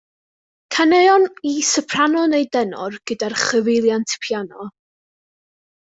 Caneuon i soprano neu denor gyda chyfeiliant piano.